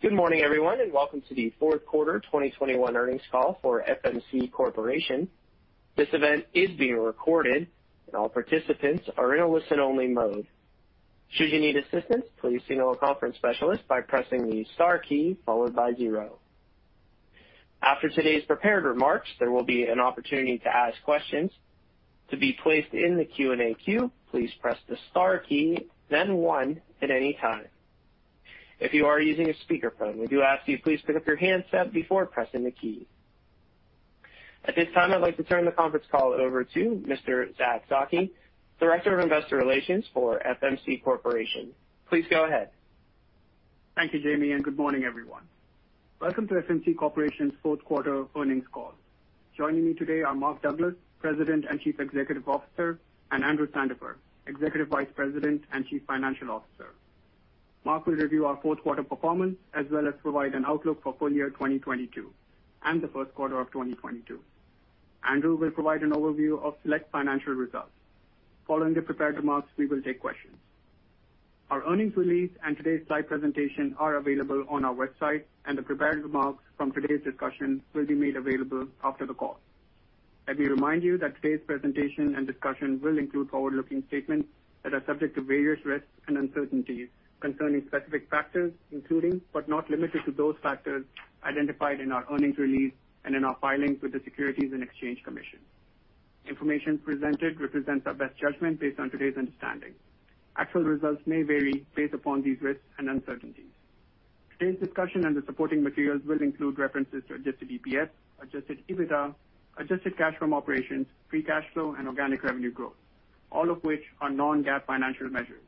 Good morning, everyone, and welcome to the fourth quarter 2021 earnings call for FMC Corporation. This event is being recorded and all participants are in a listen-only mode. Should you need assistance, please signal a conference specialist by pressing the star key followed by zero. After today's prepared remarks, there will be an opportunity to ask questions. To be placed in the Q&A queue, please press the star key, then one at any time. If you are using a speakerphone, we do ask you please pick up your handset before pressing the key. At this time, I'd like to turn the conference call over to Mr. Zack Zaki, Director of Investor Relations for FMC Corporation. Please go ahead. Thank you, Jamie, and good morning, everyone. Welcome to FMC Corporation's fourth quarter earnings call. Joining me today are Mark Douglas, President and Chief Executive Officer, and Andrew Sandifer, Executive Vice President and Chief Financial Officer. Mark will review our fourth quarter performance as well as provide an outlook for full year 2022 and the first quarter of 2022. Andrew will provide an overview of select financial results. Following the prepared remarks, we will take questions. Our earnings release and today's slide presentation are available on our website, and the prepared remarks from today's discussion will be made available after the call. Let me remind you that today's presentation and discussion will include forward-looking statements that are subject to various risks and uncertainties concerning specific factors, including but not limited to, those factors identified in our earnings release and in our filings with the Securities and Exchange Commission. Information presented represents our best judgment based on today's understanding. Actual results may vary based upon these risks and uncertainties. Today's discussion and the supporting materials will include references to adjusted EPS, adjusted EBITDA, adjusted cash from operations, free cash flow and organic revenue growth, all of which are non-GAAP financial measures.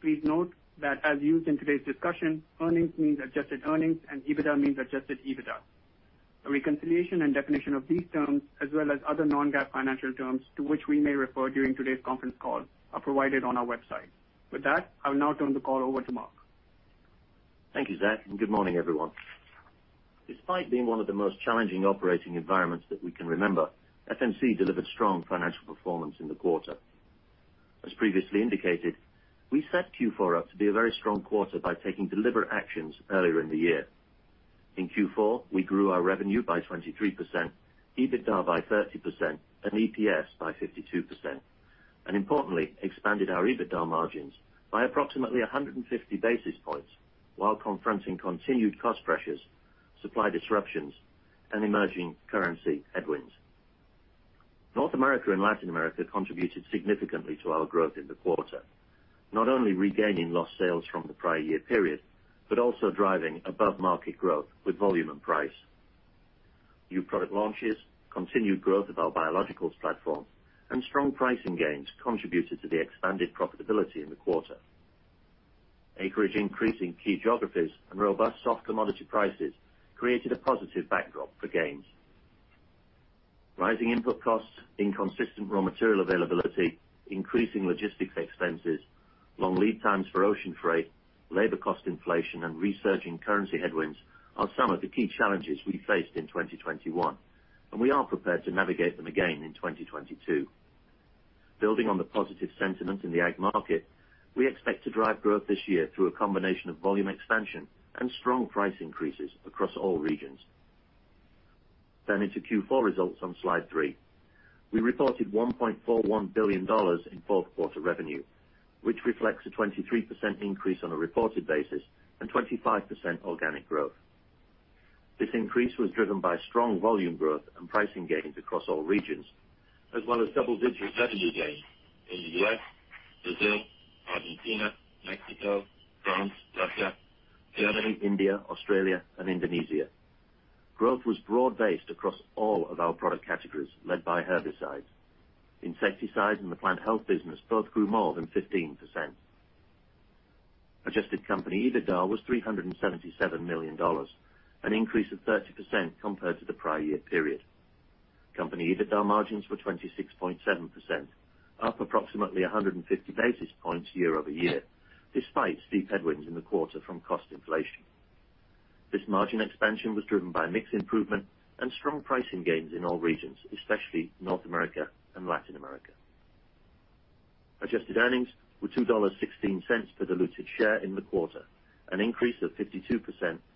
Please note that as used in today's discussion, earnings means adjusted earnings and EBITDA means adjusted EBITDA. A reconciliation and definition of these terms, as well as other non-GAAP financial terms to which we may refer during today's conference call, are provided on our website. With that, I will now turn the call over to Mark. Thank you, Zack, and good morning, everyone. Despite being one of the most challenging operating environments that we can remember, FMC delivered strong financial performance in the quarter. As previously indicated, we set Q4 up to be a very strong quarter by taking deliberate actions earlier in the year. In Q4, we grew our revenue by 23%, EBITDA by 30% and EPS by 52%, and importantly expanded our EBITDA margins by approximately 150 basis points while confronting continued cost pressures, supply disruptions and emerging currency headwinds. North America and Latin America contributed significantly to our growth in the quarter, not only regaining lost sales from the prior year period, but also driving above-market growth with volume and price. New product launches, continued growth of our biologicals platform and strong pricing gains contributed to the expanded profitability in the quarter. Acreage increase in key geographies and robust soft commodity prices created a positive backdrop for gains. Rising input costs, inconsistent raw material availability, increasing logistics expenses, long lead times for ocean freight, labor cost inflation and resurging currency headwinds are some of the key challenges we faced in 2021, and we are prepared to navigate them again in 2022. Building on the positive sentiment in the ag market, we expect to drive growth this year through a combination of volume expansion and strong price increases across all regions. Into Q4 results on slide three. We reported $1.41 billion in fourth quarter revenue, which reflects a 23% increase on a reported basis and 25% organic growth. This increase was driven by strong volume growth and pricing gains across all regions, as well as double-digit revenue gains in the U.S., Brazil, Argentina, Mexico, France, Russia, Germany, India, Australia and Indonesia. Growth was broad-based across all of our product categories, led by herbicides. Insecticides in the plant health business both grew more than 15%. Adjusted company EBITDA was $377 million, an increase of 30% compared to the prior year period. Company EBITDA margins were 26.7%, up approximately 150 basis points year over year, despite steep headwinds in the quarter from cost inflation. This margin expansion was driven by mix improvement and strong pricing gains in all regions, especially North America and Latin America. Adjusted earnings were $2.16 per diluted share in the quarter, an increase of 52%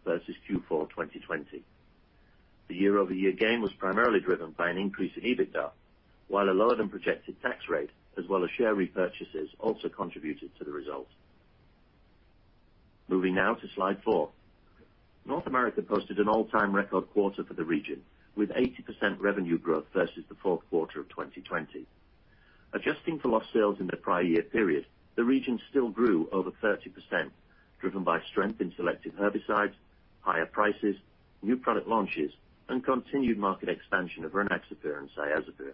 versus Q4 2020. The year-over-year gain was primarily driven by an increase in EBITDA, while a lower than projected tax rate as well as share repurchases also contributed to the results. Moving now to slide four. North America posted an all-time record quarter for the region, with 80% revenue growth versus the fourth quarter of 2020. Adjusting for lost sales in the prior year period, the region still grew over 30%, driven by strength in selected herbicides, higher prices, new product launches and continued market expansion of Rynaxypyr and Cyazypyr.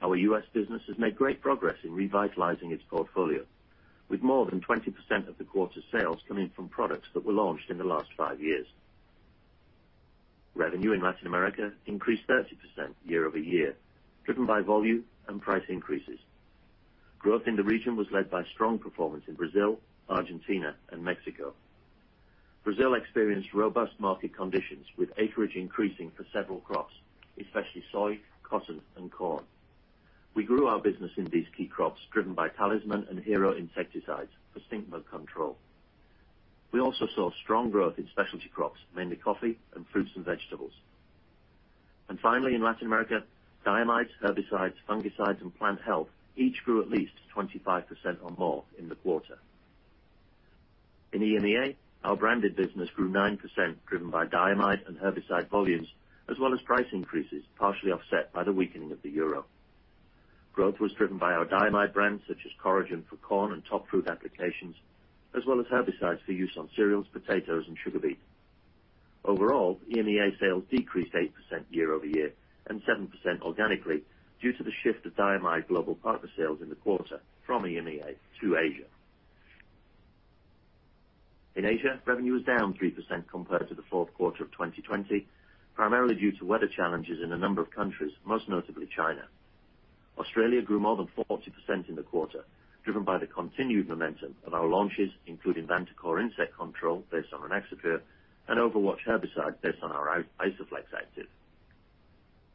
Our U.S. business has made great progress in revitalizing its portfolio, with more than 20% of the quarter's sales coming from products that were launched in the last 5 years. Revenue in Latin America increased 30% year over year, driven by volume and price increases. Growth in the region was led by strong performance in Brazil, Argentina and Mexico. Brazil experienced robust market conditions, with acreage increasing for several crops, especially soy, cotton and corn. We grew our business in these key crops driven by Talisman and Hero insecticides for stink bug control. We also saw strong growth in specialty crops, mainly coffee and fruits and vegetables. Finally, in Latin America, diamides, herbicides, fungicides, and plant health each grew at least 25% or more in the quarter. In EMEA, our branded business grew 9% driven by diamide and herbicide volumes, as well as price increases, partially offset by the weakening of the euro. Growth was driven by our diamide brands such as Coragen for corn and top fruit applications, as well as herbicides for use on cereals, potatoes, and sugar beet. Overall, EMEA sales decreased 8% year-over-year and 7% organically due to the shift of diamide global partner sales in the quarter from EMEA to Asia. In Asia, revenue was down 3% compared to the fourth quarter of 2020, primarily due to weather challenges in a number of countries, most notably China. Australia grew more than 40% in the quarter, driven by the continued momentum of our launches, including Vantacor insect control based on Rynaxypyr and Overwatch herbicide based on our Isoflex active.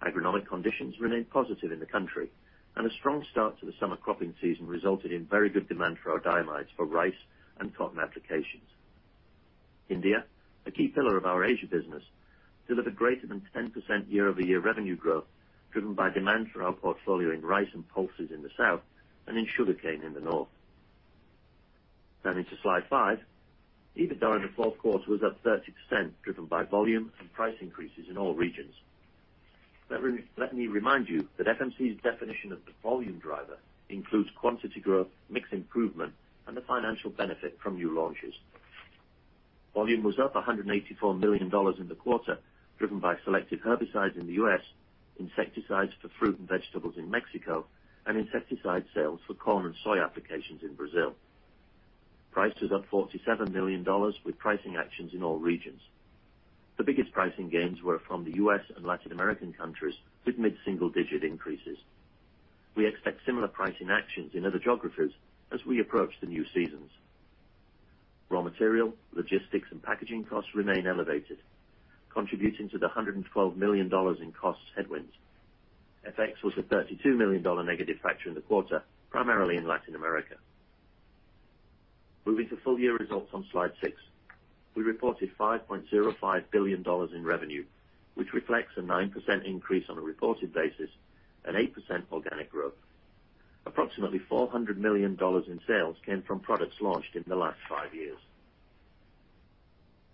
Agronomic conditions remained positive in the country and a strong start to the summer cropping season resulted in very good demand for our diamides for rice and cotton applications. India, a key pillar of our Asia business, delivered greater than 10% year-over-year revenue growth, driven by demand for our portfolio in rice and pulses in the south and in sugarcane in the north. Turning to slide five. EBITDA in the fourth quarter was up 30% driven by volume and price increases in all regions. Let me remind you that FMC's definition of the volume driver includes quantity growth, mix improvement, and the financial benefit from new launches. Volume was up $184 million in the quarter, driven by selected herbicides in the U.S., insecticides for fruit and vegetables in Mexico, and insecticide sales for corn and soy applications in Brazil. Price was up $47 million with pricing actions in all regions. The biggest pricing gains were from the U.S. and Latin American countries with mid-single-digit increases. We expect similar pricing actions in other geographies as we approach the new seasons. Raw material, logistics, and packaging costs remain elevated, contributing to the $112 million in costs headwinds. FX was a $32 million negative factor in the quarter, primarily in Latin America. Moving to full year results on slide six. We reported $5.05 billion in revenue, which reflects a 9% increase on a reported basis and 8% organic growth. Approximately $400 million in sales came from products launched in the last 5 years.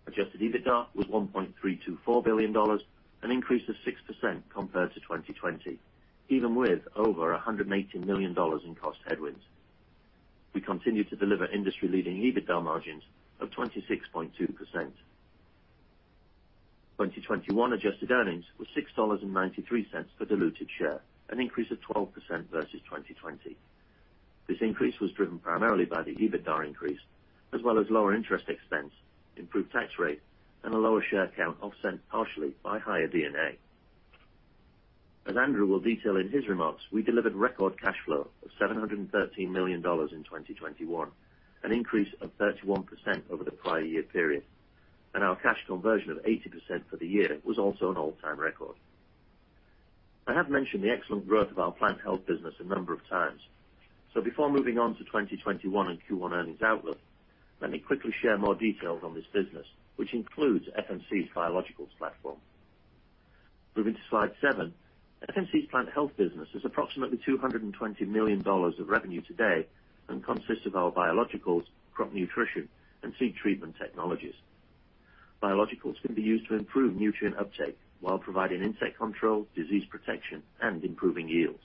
Adjusted EBITDA was $1.324 billion, an increase of 6% compared to 2020, even with over $118 million in cost headwinds. We continue to deliver industry-leading EBITDA margins of 26.2%. 2021 adjusted earnings was $6.93 per diluted share, an increase of 12% versus 2020. This increase was driven primarily by the EBITDA increase, as well as lower interest expense, improved tax rate, and a lower share count offset partially by higher D&A. As Andrew will detail in his remarks, we delivered record cash flow of $713 million in 2021, an increase of 31% over the prior year period, and our cash conversion of 80% for the year was also an all-time record. I have mentioned the excellent growth of our plant health business a number of times. Before moving on to 2021 and Q1 earnings outlook, let me quickly share more details on this business, which includes FMC's biologicals platform. Moving to slide seven. FMC's plant health business is approximately $220 million of revenue today and consists of our biologicals, crop nutrition, and seed treatment technologies. Biologicals can be used to improve nutrient uptake while providing insect control, disease protection, and improving yields.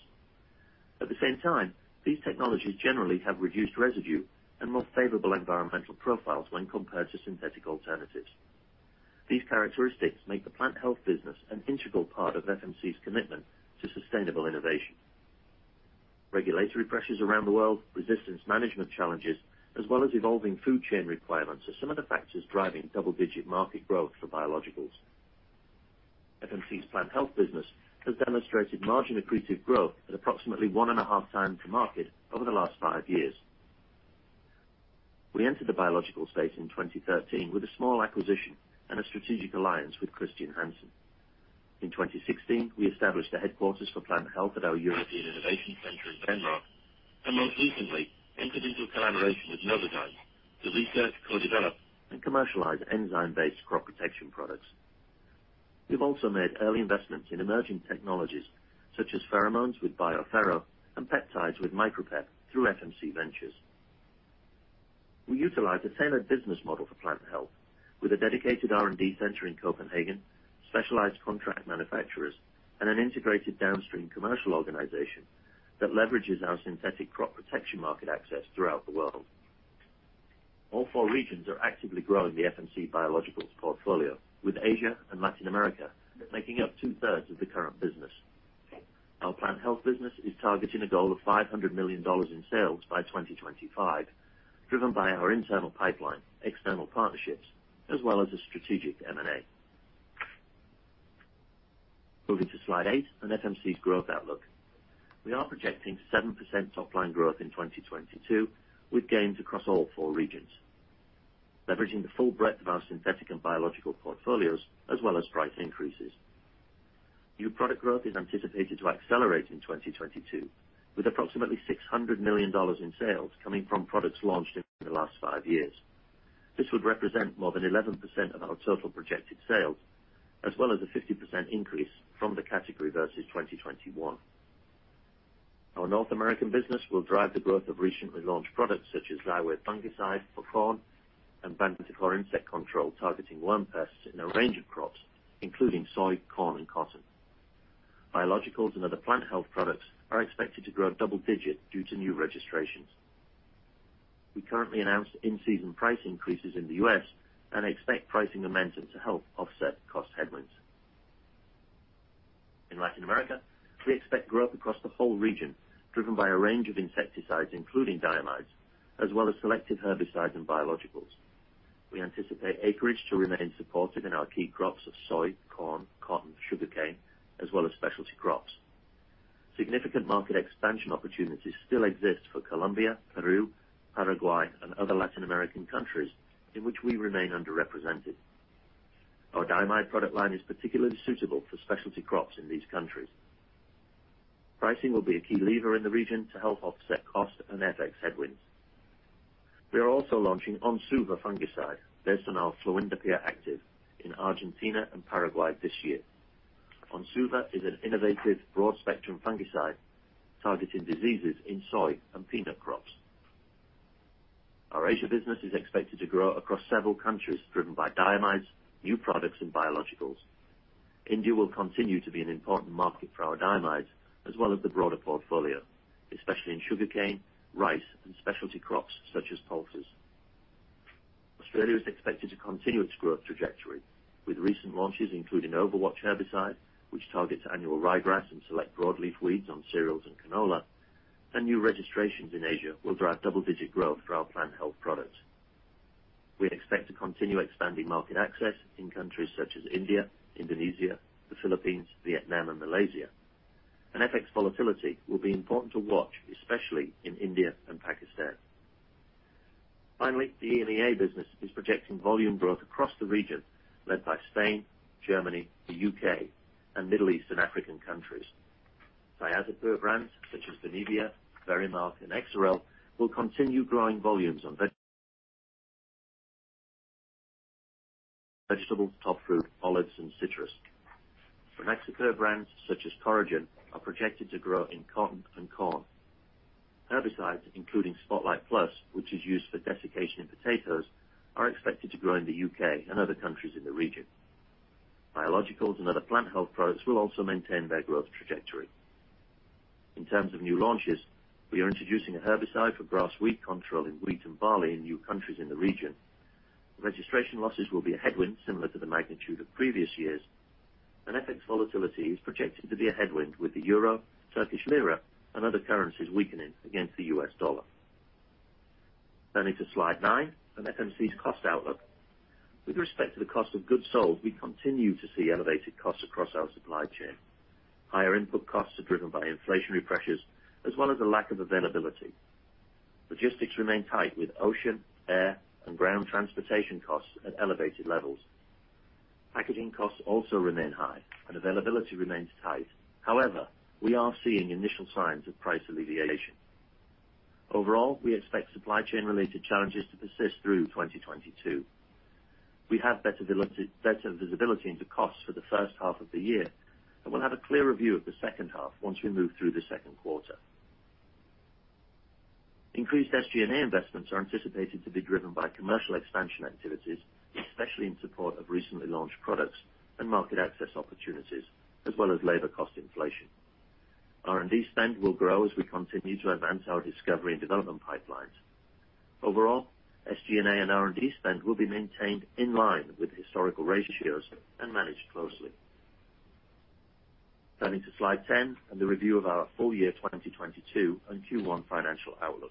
At the same time, these technologies generally have reduced residue and more favorable environmental profiles when compared to synthetic alternatives. These characteristics make the plant health business an integral part of FMC's commitment to sustainable innovation. Regulatory pressures around the world, resistance management challenges, as well as evolving food chain requirements are some of the factors driving double-digit market growth for biologicals. FMC's plant health business has demonstrated margin accretive growth at approximately 1.5 times the market over the last 5 years. We entered the biological space in 2013 with a small acquisition and a strategic alliance with Chr. Hansen. In 2016, we established a headquarters for plant health at our European Innovation Center in Hørsholm, and most recently entered into a collaboration with Novozymes to research, co-develop, and commercialize enzyme-based crop protection products. We've also made early investments in emerging technologies such as pheromones with BioPhero and peptides with Micropep through FMC Ventures. We utilize a tailored business model for plant health with a dedicated R&D center in Copenhagen, specialized contract manufacturers, and an integrated downstream commercial organization that leverages our synthetic crop protection market access throughout the world. All four regions are actively growing the FMC biologicals portfolio, with Asia and Latin America making up two-thirds of the current business. Our plant health business is targeting a goal of $500 million in sales by 2025, driven by our internal pipeline, external partnerships, as well as a strategic M&A. Moving to slide eight on FMC's growth outlook. We are projecting 7% top-line growth in 2022 with gains across all four regions. Leveraging the full breadth of our synthetic and biological portfolios, as well as price increases. New product growth is anticipated to accelerate in 2022, with approximately $600 million in sales coming from products launched in the last five years. This would represent more than 11% of our total projected sales, as well as a 50% increase from the category versus 2021. Our North American business will drive the growth of recently launched products such as Xyway fungicide for corn and Vantacor for insect control, targeting worm pests in a range of crops, including soy, corn and cotton. Biologicals and other plant health products are expected to grow double-digit due to new registrations. We currently announced in-season price increases in the U.S. and expect pricing momentum to help offset cost headwinds. In Latin America, we expect growth across the whole region, driven by a range of insecticides including diamides, as well as selected herbicides and biologicals. We anticipate acreage to remain supportive in our key crops of soy, corn, cotton, sugarcane, as well as specialty crops. Significant market expansion opportunities still exist for Colombia, Peru, Paraguay and other Latin American countries in which we remain underrepresented. Our diamide product line is particularly suitable for specialty crops in these countries. Pricing will be a key lever in the region to help offset cost and FX headwinds. We are also launching Onsuva fungicide based on our fluindapyr active in Argentina and Paraguay this year. Onsuva is an innovative broad-spectrum fungicide targeting diseases in soy and peanut crops. Our Asia business is expected to grow across several countries, driven by diamides, new products and biologicals. India will continue to be an important market for our diamides as well as the broader portfolio, especially in sugarcane, rice and specialty crops such as pulses. Australia is expected to continue its growth trajectory with recent launches including Overwatch herbicide, which targets annual ryegrass and select broadleaf weeds on cereals and canola. New registrations in Asia will drive double-digit growth for our plant health products. We expect to continue expanding market access in countries such as India, Indonesia, the Philippines, Vietnam and Malaysia. FX volatility will be important to watch, especially in India and Pakistan. Finally, the EMEA business is projecting volume growth across the region, led by Spain, Germany, the U.K. and Middle East and African countries. Cyazypyr brands such as Benevia, Verimark and Exirel will continue growing volumes on vegetables, top fruit, olives and citrus. For Rynaxypyr, brands such as Coragen are projected to grow in cotton and corn. Herbicides including Spotlight Plus, which is used for desiccation in potatoes, are expected to grow in the U.K. and other countries in the region. Biologicals and other plant health products will also maintain their growth trajectory. In terms of new launches, we are introducing a herbicide for grass weed control in wheat and barley in new countries in the region. Registration losses will be a headwind similar to the magnitude of previous years, and FX volatility is projected to be a headwind with the euro, Turkish lira and other currencies weakening against the U.S. dollar. Turning to slide 9, FMC's cost outlook. With respect to the cost of goods sold, we continue to see elevated costs across our supply chain. Higher input costs are driven by inflationary pressures as well as a lack of availability. Logistics remain tight with ocean, air and ground transportation costs at elevated levels. Packaging costs also remain high and availability remains tight. However, we are seeing initial signs of price alleviation. Overall, we expect supply chain related challenges to persist through 2022. We have better visibility into costs for the first half of the year, and we'll have a clearer view of the second half once we move through the second quarter. Increased SG&A investments are anticipated to be driven by commercial expansion activities, especially in support of recently launched products and market access opportunities, as well as labor cost inflation. R&D spend will grow as we continue to advance our discovery and development pipelines. Overall, SG&A and R&D spend will be maintained in line with historical ratios and managed closely. Turning to slide 10 and the review of our full year 2022 and Q1 financial outlook.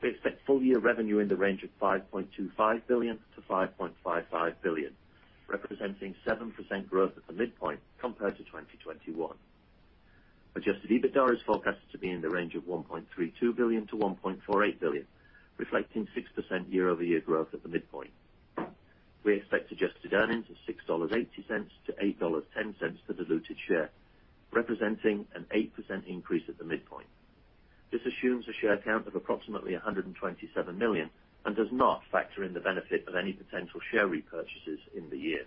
We expect full year revenue in the range of $5.25 billion-$5.55 billion, representing 7% growth at the midpoint compared to 2021. Adjusted EBITDA is forecasted to be in the range of $1.32 billion-$1.48 billion, reflecting 6% year-over-year growth at the midpoint. We expect adjusted earnings of $6.80-$8.10 per diluted share, representing an 8% increase at the midpoint. This assumes a share count of approximately 127 million and does not factor in the benefit of any potential share repurchases in the year.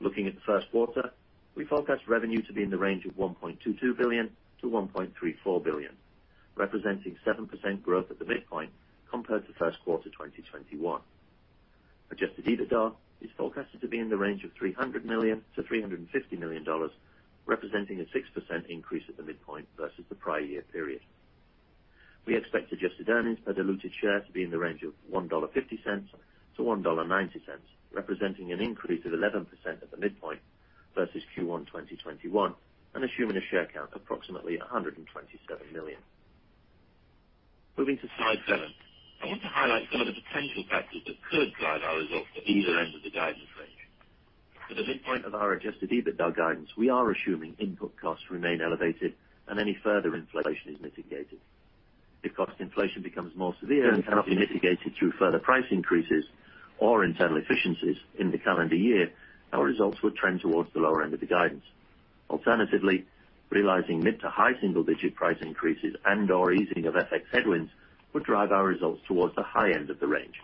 Looking at the first quarter, we forecast revenue to be in the range of $1.22 billion-$1.34 billion, representing 7% growth at the midpoint compared to first quarter 2021. Adjusted EBITDA is forecasted to be in the range of $300 million-$350 million, representing a 6% increase at the midpoint versus the prior year period. We expect adjusted earnings per diluted share to be in the range of $1.50-$1.90, representing an increase of 11% at the midpoint versus Q1 2021 and assuming a share count approximately 127 million. Moving to slide 7, I want to highlight some of the potential factors that could drive our results at either end of the guidance range. For the midpoint of our adjusted EBITDA guidance, we are assuming input costs remain elevated and any further inflation is mitigated. If cost inflation becomes more severe and cannot be mitigated through further price increases or internal efficiencies in the calendar year, our results will trend towards the lower end of the guidance. Alternatively, realizing mid-to-high single-digit price increases and/or easing of FX headwinds will drive our results towards the high end of the range.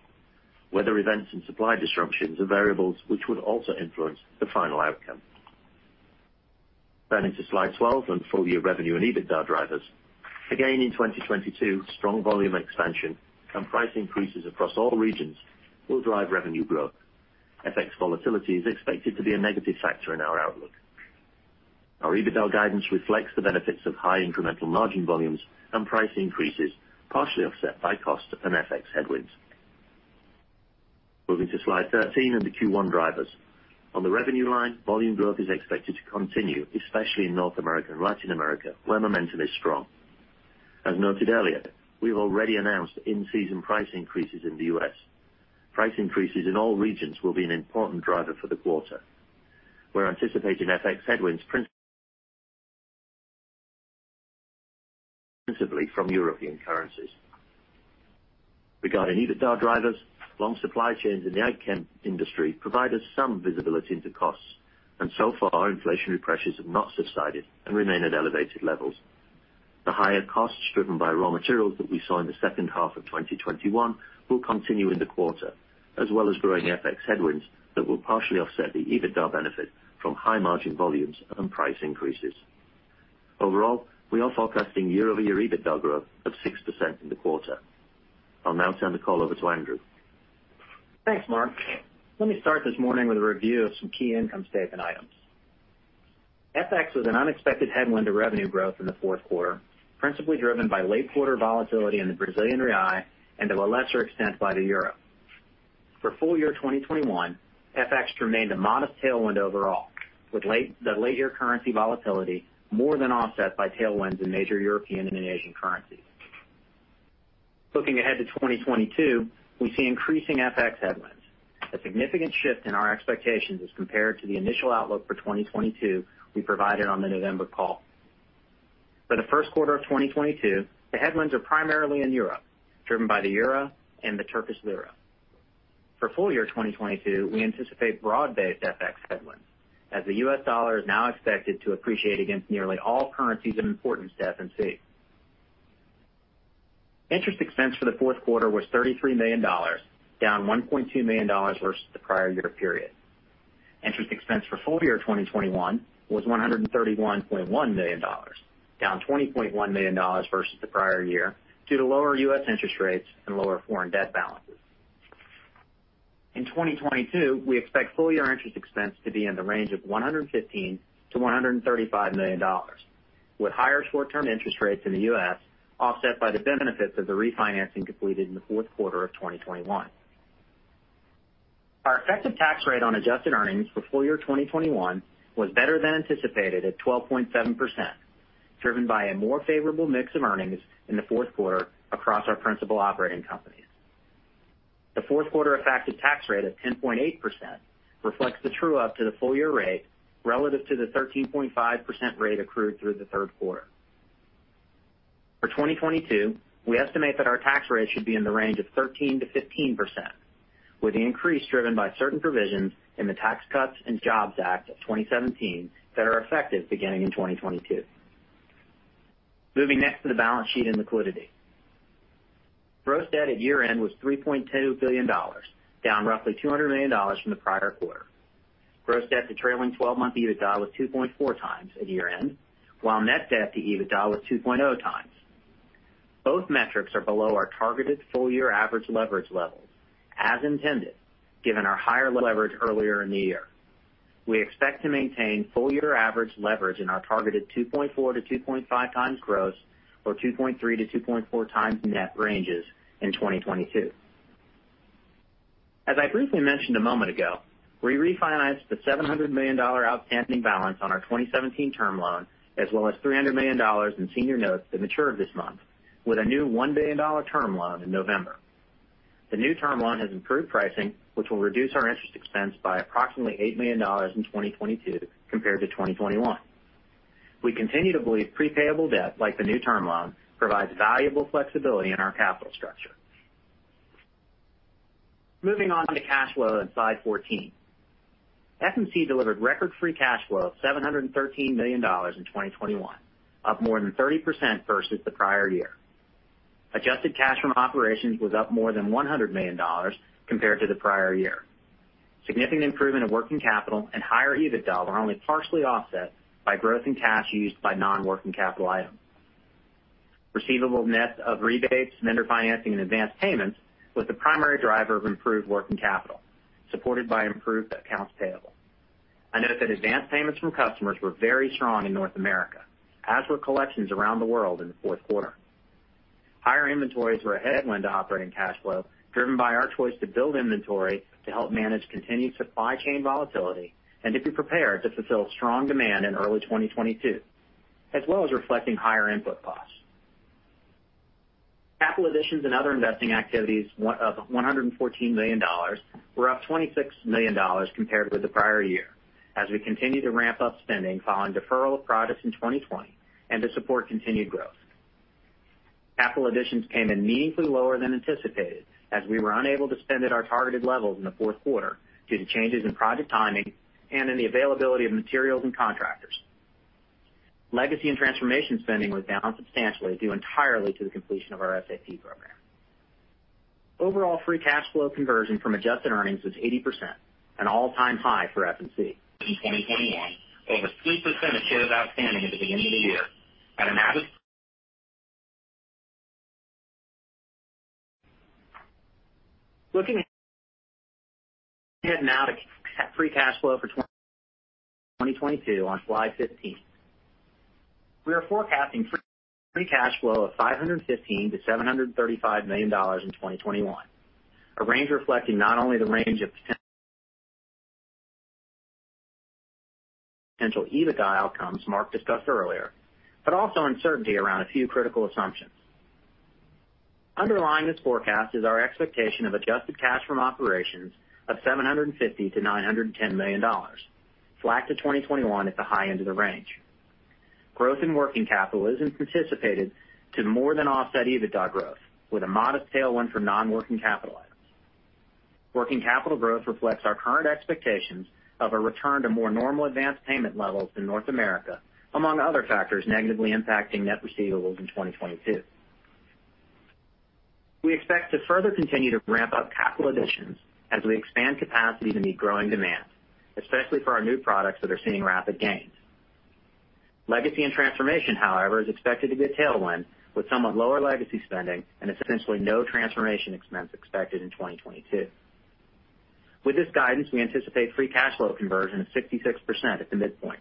Weather events and supply disruptions are variables which would also influence the final outcome. Turning to slide 12 on full-year revenue and EBITDA drivers. Again, in 2022, strong volume expansion and price increases across all regions will drive revenue growth. FX volatility is expected to be a negative factor in our outlook. Our EBITDA guidance reflects the benefits of high incremental margin volumes and price increases, partially offset by cost and FX headwinds. Moving to slide 13 and the Q1 drivers. On the revenue line, volume growth is expected to continue, especially in North America and Latin America, where momentum is strong. As noted earlier, we've already announced in-season price increases in the US. Price increases in all regions will be an important driver for the quarter. We're anticipating FX headwinds principally from European currencies. Regarding EBITDA drivers, long supply chains in the ag chem industry provide us some visibility into costs. So far, inflationary pressures have not subsided and remain at elevated levels. The higher costs driven by raw materials that we saw in the second half of 2021 will continue in the quarter, as well as growing FX headwinds that will partially offset the EBITDA benefit from high margin volumes and price increases. Overall, we are forecasting year-over-year EBITDA growth of 6% in the quarter. I'll now turn the call over to Andrew. Thanks, Mark. Let me start this morning with a review of some key income statement items. FX was an unexpected headwind to revenue growth in the fourth quarter, principally driven by late quarter volatility in the Brazilian real and to a lesser extent by the euro. For full year 2021, FX remained a modest tailwind overall, with the late year currency volatility more than offset by tailwinds in major European and Asian currencies. Looking ahead to 2022, we see increasing FX headwinds, a significant shift in our expectations as compared to the initial outlook for 2022 we provided on the November call. For the first quarter of 2022, the headwinds are primarily in Europe, driven by the euro and the Turkish lira. For full year 2022, we anticipate broad-based FX headwinds as the U.S. dollar is now expected to appreciate against nearly all currencies of importance to FMC. Interest expense for the fourth quarter was $33 million, down $1.2 million versus the prior year period. Interest expense for full year 2021 was $131.1 million, down $20.1 million versus the prior year due to lower U.S. interest rates and lower foreign debt balances. In 2022, we expect full year interest expense to be in the range of $115 million-$135 million, with higher short-term interest rates in the U.S. offset by the benefits of the refinancing completed in the fourth quarter of 2021. Our effective tax rate on adjusted earnings for full year 2021 was better than anticipated at 12.7%, driven by a more favorable mix of earnings in the fourth quarter across our principal operating companies. The fourth quarter effective tax rate of 10.8% reflects the true up to the full year rate relative to the 13.5% rate accrued through the third quarter. For 2022, we estimate that our tax rate should be in the range of 13%-15%, with the increase driven by certain provisions in the Tax Cuts and Jobs Act of 2017 that are effective beginning in 2022. Moving next to the balance sheet and liquidity. Gross debt at year-end was $3.2 billion, down roughly $200 million from the prior quarter. Gross debt to trailing twelve-month EBITDA was 2.4 times at year-end, while net debt to EBITDA was 2.0 times. Both metrics are below our targeted full-year average leverage levels, as intended, given our higher leverage earlier in the year. We expect to maintain full year average leverage in our targeted 2.4-2.5 times gross or 2.3-2.4 times net ranges in 2022. As I briefly mentioned a moment ago, we refinanced the $700 million outstanding balance on our 2017 term loan, as well as $300 million in senior notes that matured this month with a new $1 billion term loan in November. The new term loan has improved pricing, which will reduce our interest expense by approximately $8 million in 2022 compared to 2021. We continue to believe pre-payable debt, like the new term loan, provides valuable flexibility in our capital structure. Moving on to cash flow on slide 14. FMC delivered record free cash flow of $713 million in 2021, up more than 30% versus the prior year. Adjusted cash from operations was up more than $100 million compared to the prior year. Significant improvement in working capital and higher EBITDA were only partially offset by growth in cash used by non-working capital items. Receivable net of rebates, vendor financing, and advanced payments was the primary driver of improved working capital, supported by improved accounts payable. I note that advanced payments from customers were very strong in North America, as were collections around the world in the fourth quarter. Higher inventories were a headwind to operating cash flow, driven by our choice to build inventory to help manage continued supply chain volatility and to be prepared to fulfill strong demand in early 2022, as well as reflecting higher input costs. Capital additions and other investing activities of $114 million were up $26 million compared with the prior year as we continue to ramp up spending following deferral of projects in 2020 and to support continued growth. Capital additions came in meaningfully lower than anticipated as we were unable to spend at our targeted levels in the fourth quarter due to changes in project timing and in the availability of materials and contractors. Legacy and transformation spending was down substantially due entirely to the completion of our SAP program. Overall, free cash flow conversion from adjusted earnings was 80%, an all-time high for FMC. In 2021, over 3% of shares outstanding at the beginning of the year had a modest. Looking now to FCF, free cash flow for 2022 on slide 15. We are forecasting free cash flow of $515 million-$735 million in 2021, a range reflecting not only the range of potential EBITDA outcomes Mark discussed earlier, but also uncertainty around a few critical assumptions. Underlying this forecast is our expectation of adjusted cash from operations of $750 million-$910 million, flat to 2021 at the high end of the range. Growth in working capital is anticipated to more than offset EBITDA growth with a modest tailwind for non-working capital items. Working capital growth reflects our current expectations of a return to more normal advanced payment levels in North America, among other factors negatively impacting net receivables in 2022. We expect to further continue to ramp up capital additions as we expand capacity to meet growing demand, especially for our new products that are seeing rapid gains. Legacy and transformation, however, is expected to be a tailwind, with somewhat lower legacy spending and essentially no transformation expense expected in 2022. With this guidance, we anticipate free cash flow conversion of 66% at the midpoint.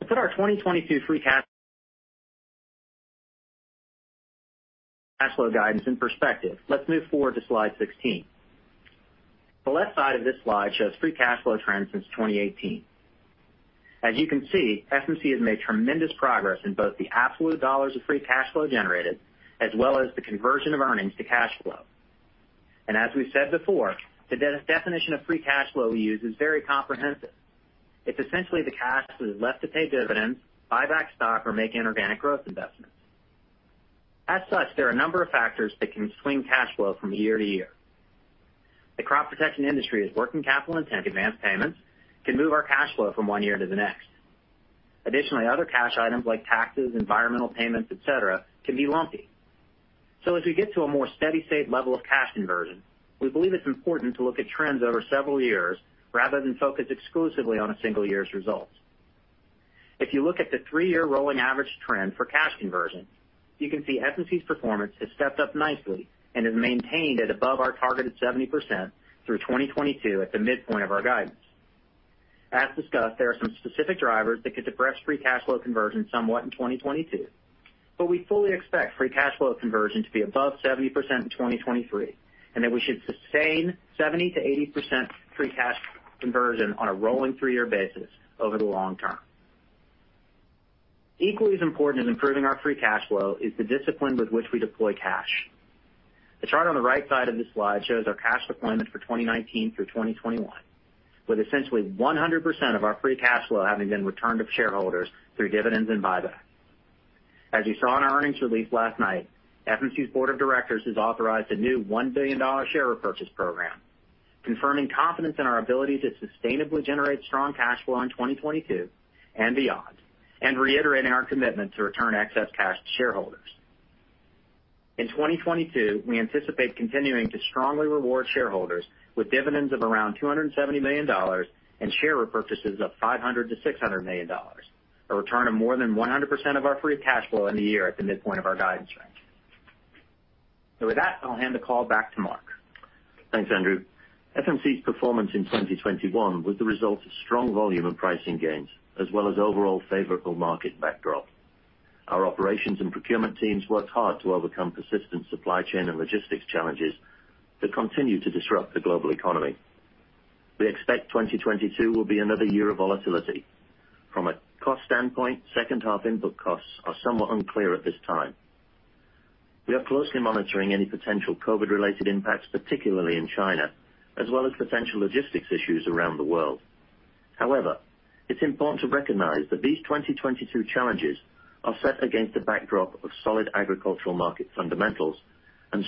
To put our 2022 free cash flow guidance in perspective, let's move forward to slide 16. The left side of this slide shows free cash flow trends since 2018. As you can see, FMC has made tremendous progress in both the absolute dollars of free cash flow generated as well as the conversion of earnings to cash flow. As we've said before, the definition of free cash flow we use is very comprehensive. It's essentially the cash that is left to pay dividends, buy back stock, or make inorganic growth investments. As such, there are a number of factors that can swing cash flow from year to year. The crop protection industry's working capital and advanced payments can move our cash flow from one year to the next. Additionally, other cash items like taxes, environmental payments, et cetera, can be lumpy. As we get to a more steady state level of cash conversion, we believe it's important to look at trends over several years rather than focus exclusively on a single year's results. If you look at the three-year rolling average trend for cash conversion, you can see FMC's performance has stepped up nicely and has maintained at above our targeted 70% through 2022 at the midpoint of our guidance. As discussed, there are some specific drivers that could depress free cash flow conversion somewhat in 2022, but we fully expect free cash flow conversion to be above 70% in 2023 and that we should sustain 70%-80% free cash conversion on a rolling three-year basis over the long term. Equally as important as improving our free cash flow is the discipline with which we deploy cash. The chart on the right side of this slide shows our cash deployment for 2019 through 2021, with essentially 100% of our free cash flow having been returned to shareholders through dividends and buybacks. As you saw in our earnings release last night, FMC's board of directors has authorized a new $1 billion share repurchase program, confirming confidence in our ability to sustainably generate strong cash flow in 2022 and beyond, and reiterating our commitment to return excess cash to shareholders. In 2022, we anticipate continuing to strongly reward shareholders with dividends of around $270 million and share repurchases of $500 million-$600 million, a return of more than 100% of our free cash flow in the year at the midpoint of our guidance range. With that, I'll hand the call back to Mark. Thanks, Andrew. FMC's performance in 2021 was the result of strong volume and pricing gains as well as overall favorable market backdrop. Our operations and procurement teams worked hard to overcome persistent supply chain and logistics challenges that continue to disrupt the global economy. We expect 2022 will be another year of volatility. From a cost standpoint, second half input costs are somewhat unclear at this time. We are closely monitoring any potential COVID-related impacts, particularly in China, as well as potential logistics issues around the world. However, it's important to recognize that these 2022 challenges are set against a backdrop of solid agricultural market fundamentals and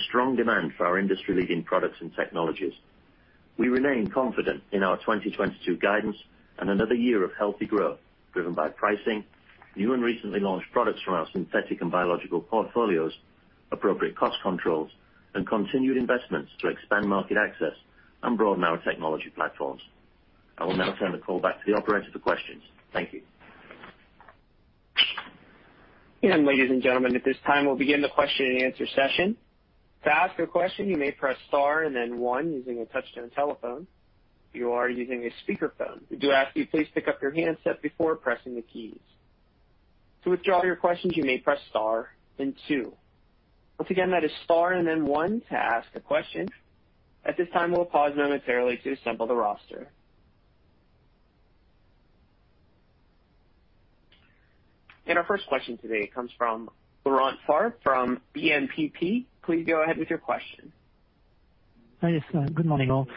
strong demand for our industry-leading products and technologies. We remain confident in our 2022 guidance and another year of healthy growth driven by pricing, new and recently launched products from our synthetic and biological portfolios, appropriate cost controls, and continued investments to expand market access and broaden our technology platforms. I will now turn the call back to the operator for questions. Thank you. Ladies and gentlemen, at this time we'll begin the question and answer session. To ask a question, you may press star and then one using a touch-tone telephone. If you are using a speakerphone, we do ask you please pick up your handset before pressing the keys. To withdraw your questions, you may press star then two. Once again, that is star and then one to ask a question. At this time, we'll pause momentarily to assemble the roster. Our first question today comes from Laurent Favre from BNPP. Please go ahead with your question. Hi. Yes, good morning, all.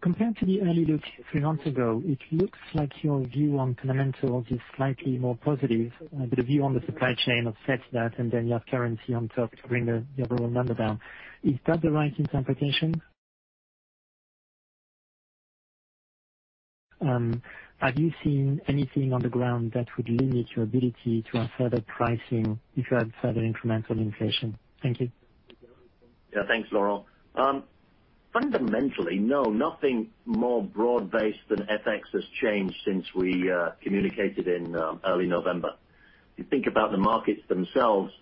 Compared to the early look three months ago, it looks like your view on fundamentals is slightly more positive, but the view on the supply chain offsets that, and then you have currency on top to bring the overall number down. Is that the right interpretation? Have you seen anything on the ground that would limit your ability to have further pricing if you had further incremental inflation? Thank you. Yeah. Thanks, Laurent. Fundamentally, no, nothing more broad-based than FX has changed since we communicated in early November. If you think about the markets themselves,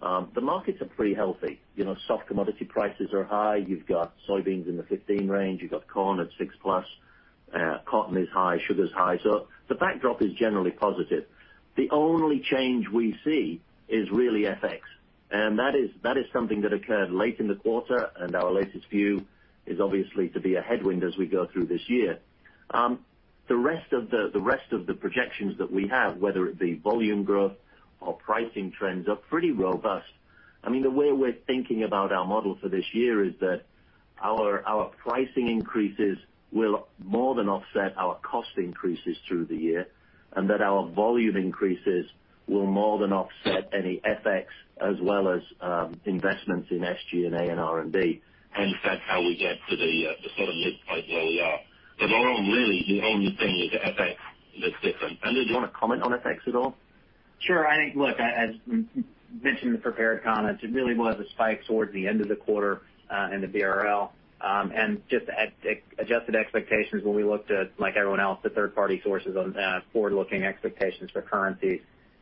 the markets are pretty healthy. You know, soft commodity prices are high. You've got soybeans in the 15 range. You've got corn at 6+. Cotton is high. Sugar is high. So the backdrop is generally positive. The only change we see is really FX, and that is something that occurred late in the quarter, and our latest view is obviously to be a headwind as we go through this year. The rest of the projections that we have, whether it be volume growth or pricing trends, are pretty robust. I mean, the way we're thinking about our model for this year is that our pricing increases will more than offset our cost increases through the year and that our volume increases will more than offset any FX as well as investments in SG&A and R&D. That's how we get to the sort of midpoint where we are. Laurent, really the only thing is FX that's different. Andrew, do you wanna comment on FX at all? Sure. I think look, as we mentioned in the prepared comments, it really was a spike towards the end of the quarter in the BRL and just adjusted expectations when we looked at, like everyone else, the third-party sources on forward-looking expectations for currencies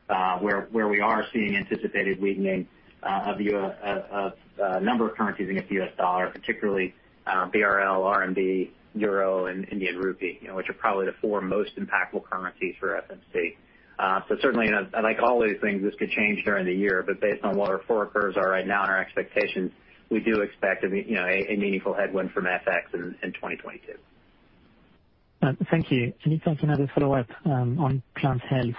where we are seeing anticipated weakening of a number of currencies against the U.S. dollar, particularly BRL, RMB, euro, and Indian rupee, you know, which are probably the four most impactful currencies for FMC. Certainly, you know, like all these things, this could change during the year. Based on what our forward curves are right now and our expectations, we do expect you know, a meaningful headwind from FX in 2022. If I can have a follow-up on Plant Health.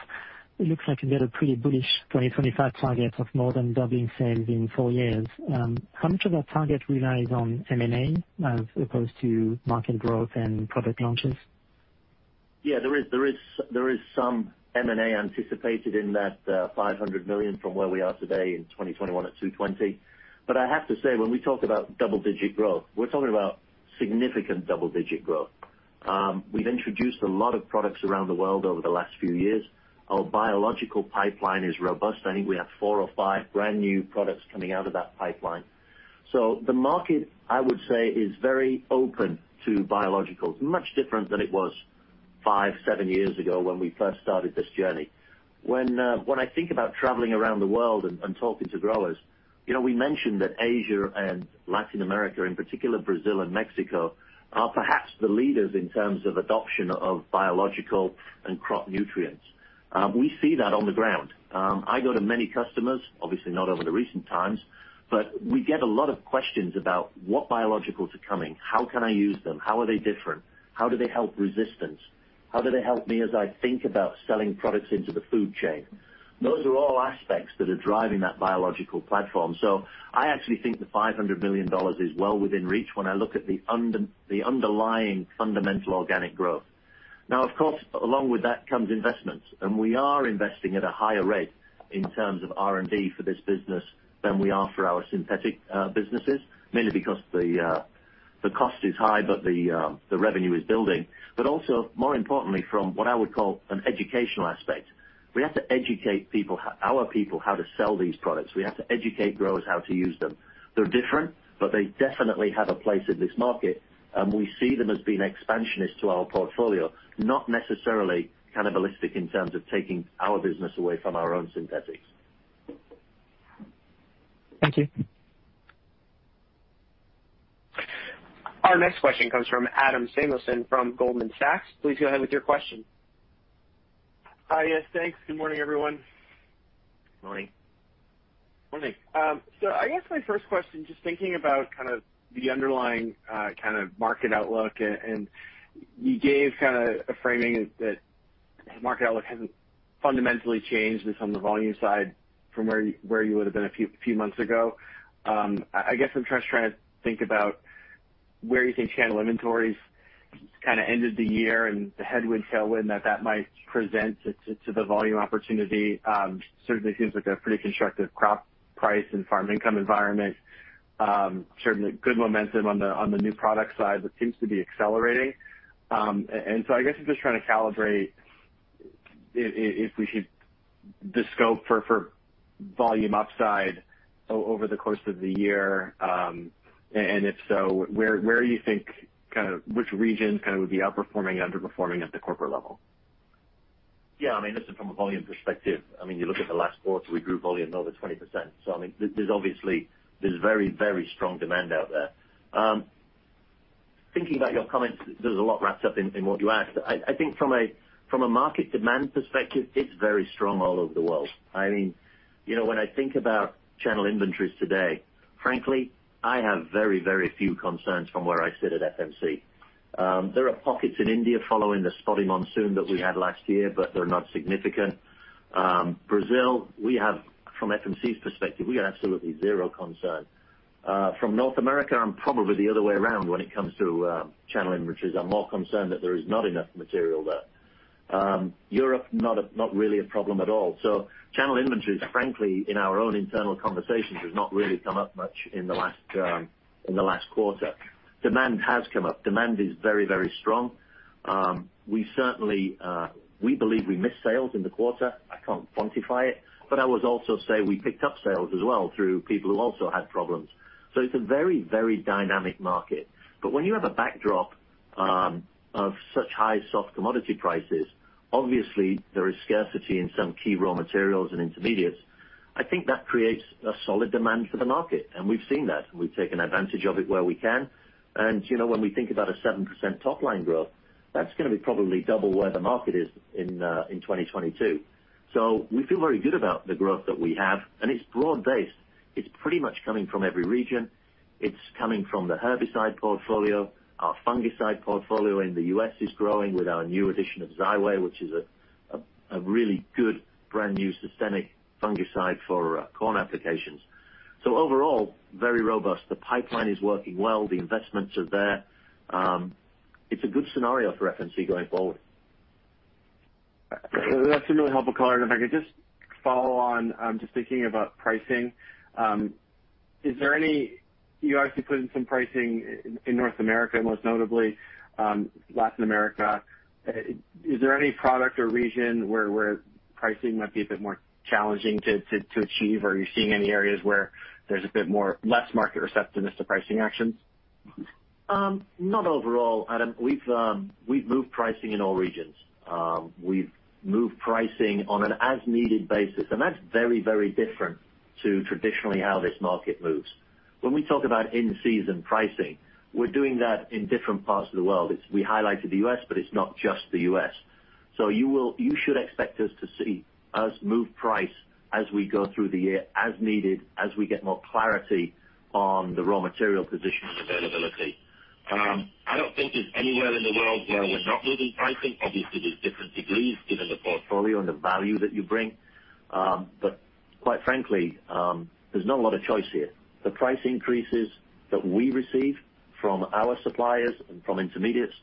It looks like you've got a pretty bullish 2025 target of more than doubling sales in four years. How much of that target relies on M&A as opposed to market growth and product launches? Yeah. There is some M&A anticipated in that $500 million from where we are today in 2021 at $220. I have to say, when we talk about double-digit growth, we're talking about significant double-digit growth. We've introduced a lot of products around the world over the last few years. Our biological pipeline is robust. I think we have four or five brand-new products coming out of that pipeline. The market, I would say, is very open to biologicals, much different than it was 5, 7 years ago when we first started this journey. When I think about traveling around the world and talking to growers, you know, we mentioned that Asia and Latin America, in particular Brazil and Mexico, are perhaps the leaders in terms of adoption of biological and crop nutrients. We see that on the ground. I go to many customers, obviously not over the recent times, but we get a lot of questions about what biologicals are coming, how can I use them, how are they different, how do they help resistance, how do they help me as I think about selling products into the food chain? Those are all aspects that are driving that biological platform. I actually think the $500 million is well within reach when I look at the underlying fundamental organic growth. Now, of course, along with that comes investments, and we are investing at a higher rate in terms of R&D for this business than we are for our synthetic businesses, mainly because the cost is high, but the revenue is building. more importantly, from what I would call an educational aspect, we have to educate our people how to sell these products. We have to educate growers how to use them. They're different, but they definitely have a place in this market, and we see them as being expansionist to our portfolio, not necessarily cannibalistic in terms of taking our business away from our own synthetics. Thank you. Our next question comes from Adam Samuelson from Goldman Sachs. Please go ahead with your question. Hi. Yes, thanks. Good morning, everyone. Morning. Morning. I guess my first question, just thinking about kind of the underlying, kind of market outlook, and you gave kinda a framing is that market outlook hasn't fundamentally changed based on the volume side from where you would've been a few months ago. I guess I'm just trying to think about where you think channel inventories kinda ended the year and the headwind, tailwind that that might present to the volume opportunity. Certainly seems like a pretty constructive crop price and farm income environment. Certainly good momentum on the new product side that seems to be accelerating. I guess I'm just trying to calibrate the scope for volume upside over the course of the year. If so, where do you think kind of which region kind of would be outperforming and underperforming at the corporate level? Yeah. I mean, listen, from a volume perspective, I mean, you look at the last quarter, we grew volume over 20%. I mean, there's obviously very, very strong demand out there. Thinking about your comments, there's a lot wrapped up in what you asked. I think from a market demand perspective, it's very strong all over the world. I mean, you know, when I think about channel inventories today. Frankly, I have very, very few concerns from where I sit at FMC. There are pockets in India following the spotty monsoon that we had last year, but they're not significant. Brazil, we have from FMC's perspective, we have absolutely zero concern. From North America, I'm probably the other way around when it comes to channel inventories. I'm more concerned that there is not enough material there. Europe, not really a problem at all. Channel inventories, frankly, in our own internal conversations, has not really come up much in the last quarter. Demand has come up. Demand is very, very strong. We certainly believe we missed sales in the quarter. I can't quantify it, but I would also say we picked up sales as well through people who also had problems. It's a very, very dynamic market. When you have a backdrop of such high soft commodity prices, obviously there is scarcity in some key raw materials and intermediates. I think that creates a solid demand for the market, and we've seen that, and we've taken advantage of it where we can. You know, when we think about a 7% top line growth, that's gonna be probably double where the market is in 2022. We feel very good about the growth that we have, and it's broad-based. It's pretty much coming from every region. It's coming from the herbicide portfolio. Our fungicide portfolio in the U.S. is growing with our new addition of Xyway, which is a really good brand new systemic fungicide for corn applications. Overall, very robust. The pipeline is working well. The investments are there. It's a good scenario for FMC going forward. That's a really helpful color. If I could just follow on, just thinking about pricing, is there any, you obviously put in some pricing in North America, most notably, Latin America. Is there any product or region where pricing might be a bit more challenging to achieve? Or are you seeing any areas where there's a bit more, less market receptiveness to pricing actions? Not overall, Adam. We've moved pricing in all regions. We've moved pricing on an as-needed basis, and that's very, very different to traditionally how this market moves. When we talk about in-season pricing, we're doing that in different parts of the world. We highlighted the U.S., but it's not just the U.S.. You should expect to see us move price as we go through the year, as needed, as we get more clarity on the raw material position and availability. I don't think there's anywhere in the world where we're not moving pricing. Obviously, there's different degrees given the portfolio and the value that you bring. Quite frankly, there's not a lot of choice here. The price increases that we receive from our suppliers and from intermediates,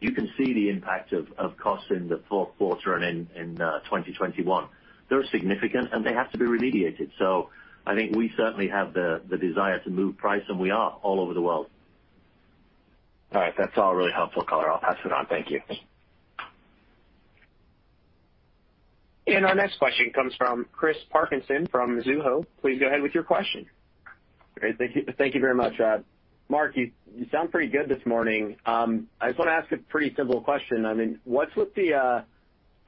you can see the impact of costs in the fourth quarter and in 2021. They're significant, and they have to be remediated. I think we certainly have the desire to move price, and we are all over the world. All right. That's all really helpful color. I'll pass it on. Thank you. Our next question comes from Chris Parkinson from Mizuho. Please go ahead with your question. Great. Thank you very much. Mark, you sound pretty good this morning. I just wanna ask a pretty simple question. I mean, what's with the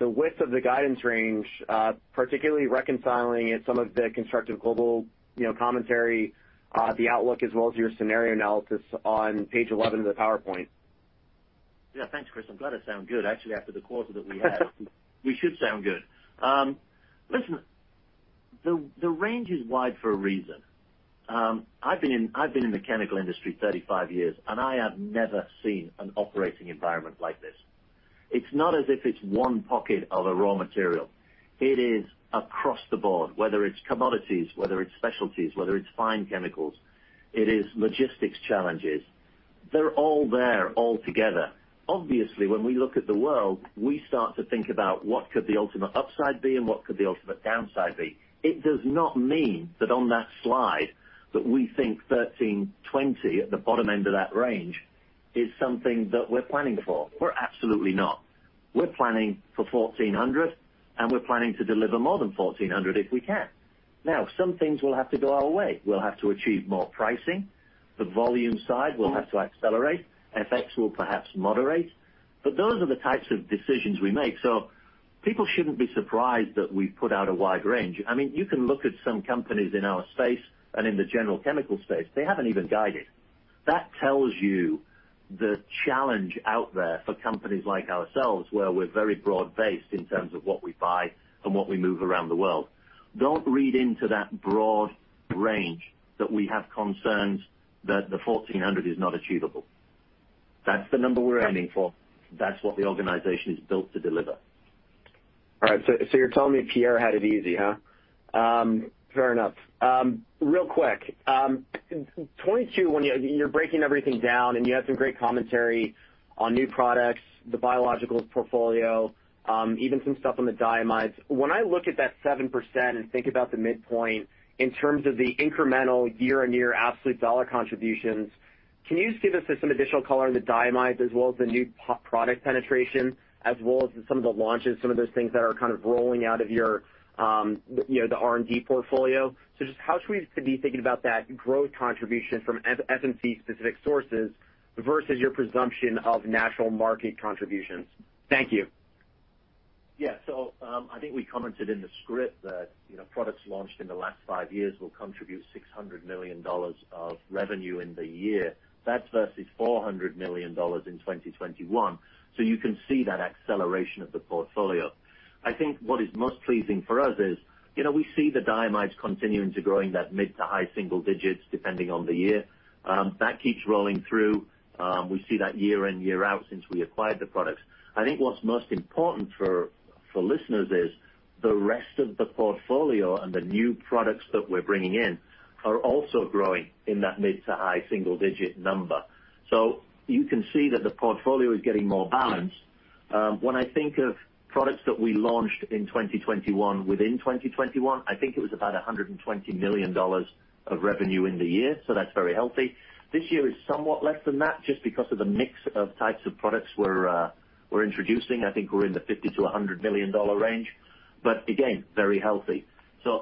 width of the guidance range, particularly reconciling it with some of the constructive global, you know, commentary, the outlook as well as your scenario analysis on page 11 of the PowerPoint? Yeah. Thanks, Chris. I'm glad I sound good. Actually, after the quarter that we had, we should sound good. Listen, the range is wide for a reason. I've been in the chemical industry 35 years, and I have never seen an operating environment like this. It's not as if it's one pocket of a raw material. It is across the board, whether it's commodities, whether it's specialties, whether it's fine chemicals, it is logistics challenges. They're all there all together. Obviously, when we look at the world, we start to think about what could the ultimate upside be and what could the ultimate downside be. It does not mean that on that slide that we think 1,320 at the bottom end of that range is something that we're planning for. We're absolutely not. We're planning for $1,400, and we're planning to deliver more than $1,400 if we can. Now, some things will have to go our way. We'll have to achieve more pricing. The volume side will have to accelerate. FX will perhaps moderate. Those are the types of decisions we make. People shouldn't be surprised that we put out a wide range. I mean, you can look at some companies in our space and in the general chemical space, they haven't even guided. That tells you the challenge out there for companies like ourselves, where we're very broad-based in terms of what we buy and what we move around the world. Don't read into that broad range that we have concerns that the $1,400 is not achievable. That's the number we're aiming for. That's what the organization is built to deliver. All right, so you're telling me Pierre had it easy, huh? Fair enough. Real quick, in 2022, when you're breaking everything down and you have some great commentary on new products, the biologicals portfolio, even some stuff on the diamides. When I look at that 7% and think about the midpoint in terms of the incremental year-on-year absolute dollar contributions, can you give us just some additional color on the diamides as well as the new product penetration as well as some of the launches, some of those things that are kind of rolling out of your, you know, the R&D portfolio? Just how should we be thinking about that growth contribution from FMC specific sources versus your presumption of natural market contributions? Thank you. I think we commented in the script that, you know, products launched in the last 5 years will contribute $600 million of revenue in the year. That's versus $400 million in 2021. You can see that acceleration of the portfolio. I think what is most pleasing for us is, you know, we see the diamides continuing to growing that mid- to high-single-digit % depending on the year. That keeps rolling through. We see that year in, year out since we acquired the products. I think what's most important for listeners is the rest of the portfolio and the new products that we're bringing in are also growing in that mid- to high-single-digit % number. You can see that the portfolio is getting more balanced. When I think of products that we launched in 2021 within 2021, I think it was about $120 million of revenue in the year, so that's very healthy. This year is somewhat less than that just because of the mix of types of products we're introducing. I think we're in the $50million-$100 million range, but again, very healthy.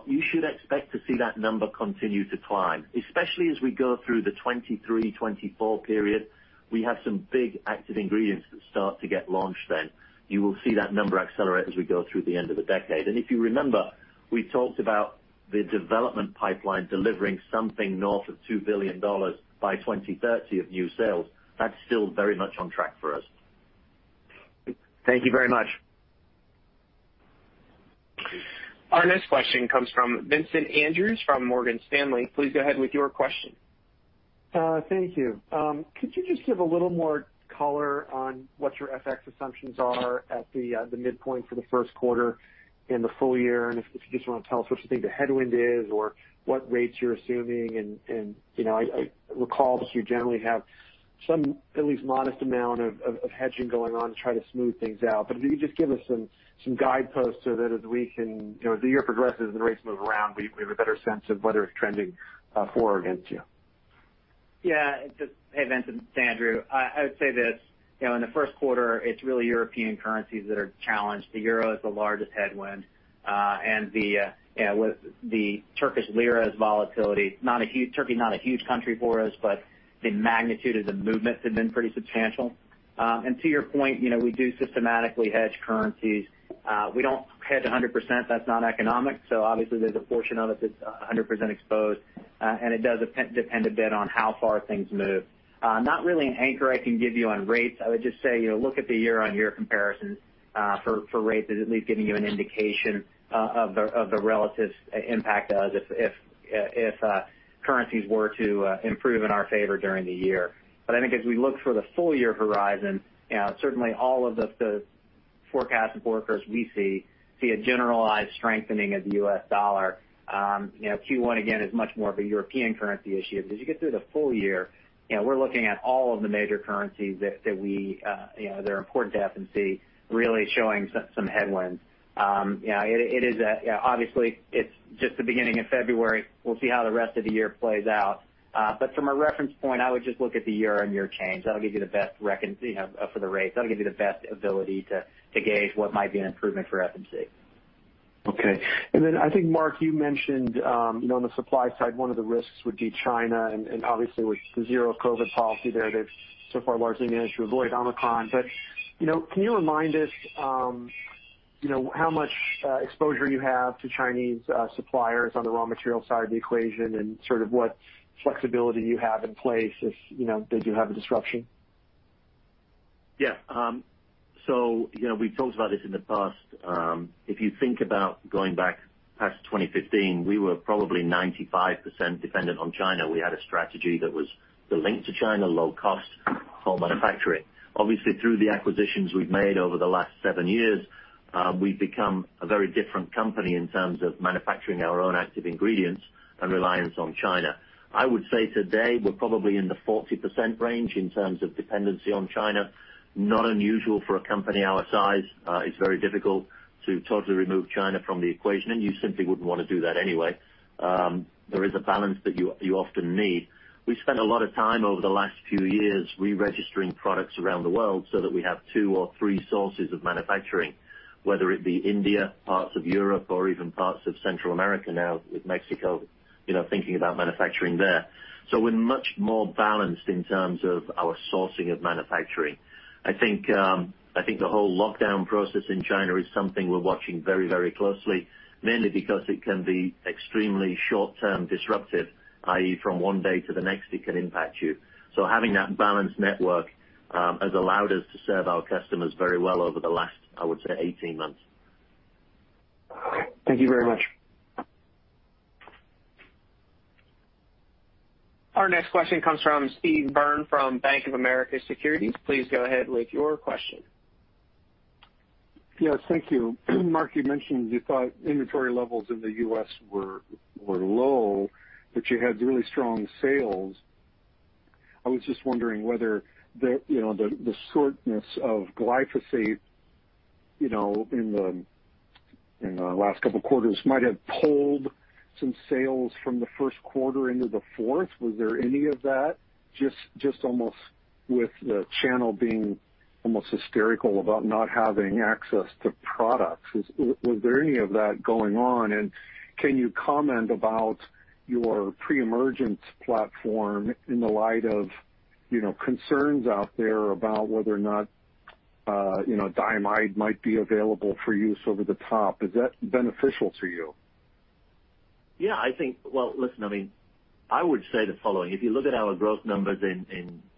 You should expect to see that number continue to climb, especially as we go through the 2023-2024 period. We have some big active ingredients that start to get launched then. You will see that number accelerate as we go through the end of the decade. If you remember, we talked about the development pipeline delivering something north of $2 billion by 2030 of new sales. That's still very much on track for us. Thank you very much. Our next question comes from Vincent Andrews from Morgan Stanley. Please go ahead with your question. Thank you. Could you just give a little more color on what your FX assumptions are at the midpoint for the first quarter in the full year, and if you just wanna tell us what you think the headwind is or what rates you're assuming? You know, I recall that you generally have some at least modest amount of hedging going on to try to smooth things out. But can you just give us some guideposts so that you know, as the year progresses and rates move around, we have a better sense of whether it's trending for or against you. Hey, Vincent Andrews. I would say this, you know, in the first quarter it's really European currencies that are challenged. The euro is the largest headwind. With the Turkish lira's volatility, not a huge country for us, but the magnitude of the movements have been pretty substantial. To your point, you know, we do systematically hedge currencies. We don't hedge 100%, that's not economic. Obviously there's a portion of it that's 100% exposed. It does depend a bit on how far things move. Not really an anchor I can give you on rates. I would just say, you know, look at the year-on-year comparison for rates is at least giving you an indication of the relative impact to us if currencies were to improve in our favor during the year. I think as we look for the full year horizon, you know, certainly all of the forecasters we see a generalized strengthening of the U.S. dollar. You know, Q1 again is much more of a European currency issue. As you get through the full year, you know, we're looking at all of the major currencies that we, you know, that are important to FMC, really showing some headwinds. You know, it is, you know, obviously it's just the beginning of February. We'll see how the rest of the year plays out. From a reference point, I would just look at the year-on-year change. That'll give you the best reckoning, you know, for the rates. That'll give you the best ability to gauge what might be an improvement for FMC. Okay. I think, Mark, you mentioned, you know, on the supply side, one of the risks would be China and obviously with the zero COVID policy there, they've so far largely managed to avoid Omicron. You know, can you remind us, you know, how much exposure you have to Chinese suppliers on the raw material side of the equation and sort of what flexibility you have in place if, you know, they do have a disruption? Yeah. You know, we've talked about this in the past. If you think about going back past 2015, we were probably 95% dependent on China. We had a strategy that was the link to China, low cost, wholly manufacturing. Obviously, through the acquisitions we've made over the last 7 years, we've become a very different company in terms of manufacturing our own active ingredients and reliance on China. I would say today we're probably in the 40% range in terms of dependency on China. Not unusual for a company our size. It's very difficult to totally remove China from the equation, and you simply wouldn't wanna do that anyway. There is a balance that you often need. We've spent a lot of time over the last few years re-registering products around the world so that we have two or three sources of manufacturing, whether it be India, parts of Europe or even parts of Central America now with Mexico, you know, thinking about manufacturing there. We're much more balanced in terms of our sourcing of manufacturing. I think the whole lockdown process in China is something we're watching very, very closely, mainly because it can be extremely short-term disruptive, i.e., from one day to the next it can impact you. Having that balanced network has allowed us to serve our customers very well over the last, I would say 18 months. Okay. Thank you very much. Our next question comes from Steve Byrne from Bank of America Securities. Please go ahead with your question. Yes, thank you. Mark, you mentioned you thought inventory levels in the U.S. were low, but you had really strong sales. I was just wondering whether the shortness of glyphosate you know in the last couple quarters might have pulled some sales from the first quarter into the fourth. Was there any of that? Just almost with the channel being almost hysterical about not having access to products. Was there any of that going on? And can you comment about your pre-emergence platform in the light of, you know, concerns out there about whether or not, you know, diamide might be available for use over the top. Is that beneficial to you? Well, listen, I mean, I would say the following. If you look at our growth numbers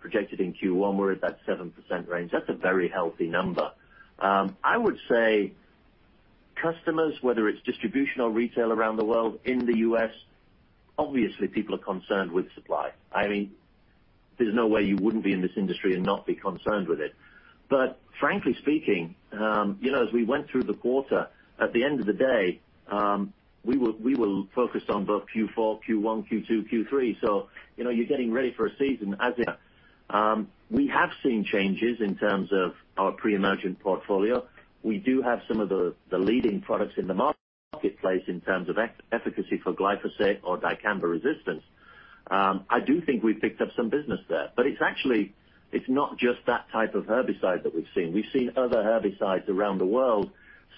projected in Q1, we're at that 7% range. That's a very healthy number. I would say customers, whether it's distribution or retail around the world in the U.S., obviously people are concerned with supply. I mean, there's no way you wouldn't be in this industry and not be concerned with it. Frankly speaking, you know, as we went through the quarter, at the end of the day, we were focused on both Q4, Q1, Q2, Q3. You know, you're getting ready for a season as a... We have seen changes in terms of our pre-emergence portfolio. We do have some of the leading products in the marketplace in terms of efficacy for glyphosate or dicamba resistance. I do think we've picked up some business there, but it's actually, it's not just that type of herbicide that we've seen. We've seen other herbicides around the world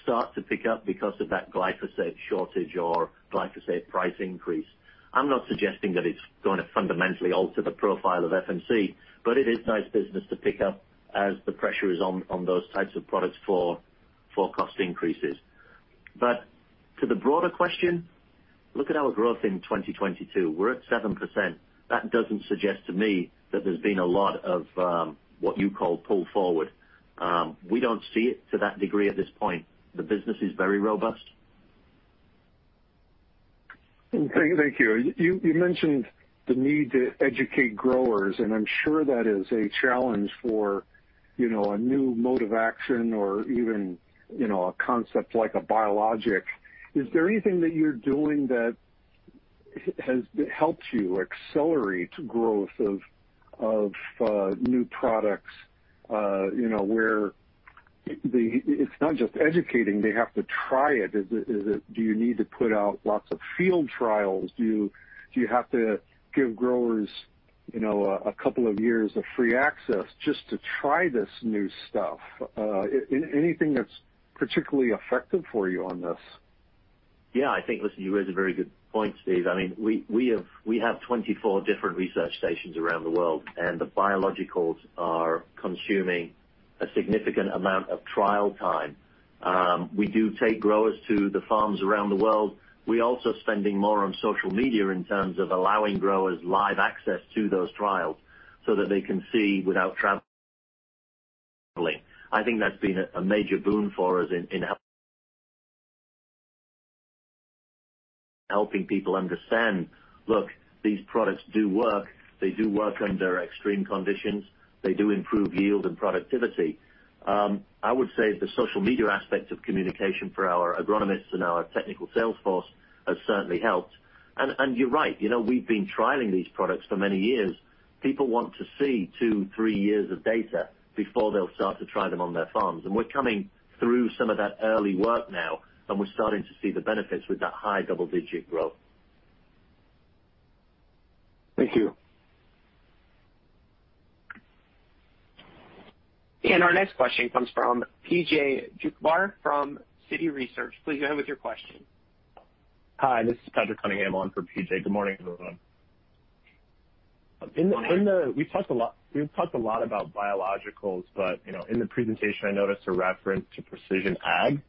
start to pick up because of that glyphosate shortage or glyphosate price increase. I'm not suggesting that it's gonna fundamentally alter the profile of FMC, but it is nice business to pick up as the pressure is on those types of products for cost increases. To the broader question, look at our growth in 2022. We're at 7%. That doesn't suggest to me that there's been a lot of what you call pull forward. We don't see it to that degree at this point. The business is very robust. Okay, thank you. You mentioned the need to educate growers, and I'm sure that is a challenge for, you know, a new mode of action or even, you know, a concept like a biologic. Is there anything that you're doing that has helped you accelerate growth of new products, you know, where it's not just educating, they have to try it. Do you need to put out lots of field trials? Do you have to give growers, you know, a couple of years of free access just to try this new stuff? Anything that's particularly effective for you on this? Yeah, I think, listen, you raise a very good point, Steve. I mean, we have 24 different research stations around the world, and the biologicals are consuming a significant amount of trial time. We do take growers to the farms around the world. We're also spending more on social media in terms of allowing growers live access to those trials so that they can see without traveling. I think that's been a major boon for us in helping people understand, look, these products do work. They do work under extreme conditions. They do improve yield and productivity. I would say the social media aspect of communication for our agronomists and our technical sales force has certainly helped. You're right, you know, we've been trialing these products for many years. People want to see 2, 3 years of data before they'll start to try them on their farms. We're coming through some of that early work now, and we're starting to see the benefits with that high double-digit growth. Thank you. Our next question comes from PJ Juvekar from Citi Research. Please go ahead with your question. Hi, this is Patrick Cunningham on for PJ. Good morning, everyone. Morning. We've talked a lot about biologicals, but, you know, in the presentation, I noticed a reference to precision ag.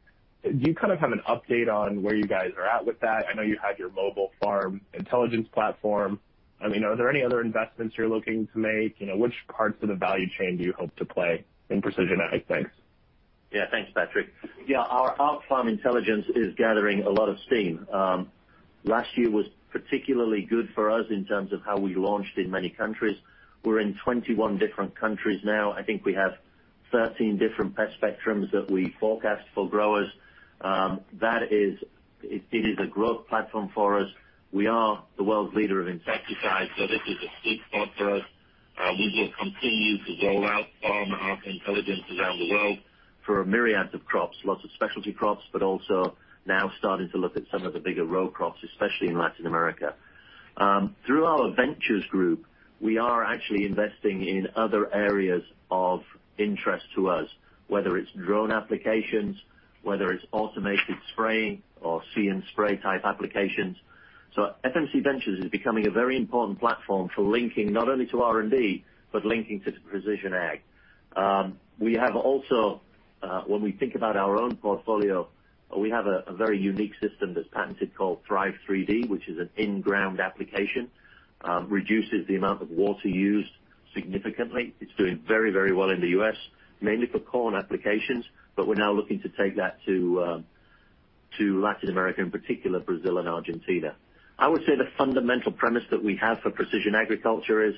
Do you kind of have an update on where you guys are at with that? I know you have your Arc farm intelligence platform. I mean, are there any other investments you're looking to make? You know, which parts of the value chain do you hope to play in precision ag? Thanks. Yeah. Thanks, Patrick. Yeah. Our Farm Intelligence is gathering a lot of steam. Last year was particularly good for us in terms of how we launched in many countries. We're in 21 different countries now. I think we have 13 different pest spectrums that we forecast for growers. That is, it is a growth platform for us. We are the world's leader of insecticides, so this is a sweet spot for us. We will continue to roll out Farm Intelligence around the world for a myriad of crops, lots of specialty crops, but also now starting to look at some of the bigger row crops, especially in Latin America. Through our ventures group, we are actually investing in other areas of interest to us, whether it's drone applications, whether it's automated spraying or See & Spray type applications. FMC Ventures is becoming a very important platform for linking not only to R&D, but linking to precision ag. We have also, when we think about our own portfolio, we have a very unique system that's patented called 3RIVE 3D, which is an in-ground application that reduces the amount of water used significantly. It's doing very, very well in the U.S., mainly for corn applications, but we're now looking to take that to Latin America, in particular Brazil and Argentina. I would say the fundamental premise that we have for precision agriculture is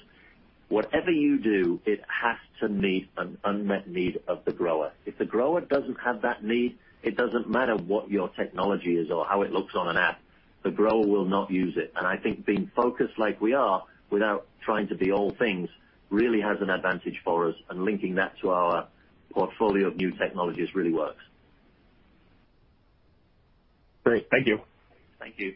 whatever you do, it has to meet an unmet need of the grower. If the grower doesn't have that need, it doesn't matter what your technology is or how it looks on an app, the grower will not use it. I think being focused like we are without trying to be all things really has an advantage for us, and linking that to our portfolio of new technologies really works. Great. Thank you. Thank you.